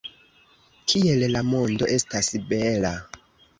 Kiel la mondo estas bela!